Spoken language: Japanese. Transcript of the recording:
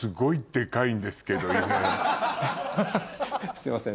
すいません